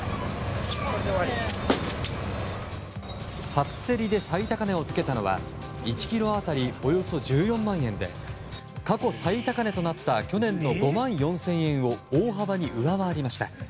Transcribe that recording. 初競りで最高値をつけたのは１ｋｇ当たりおよそ１４万円で過去最高値となった去年の５万４０００円を大幅に上回りました。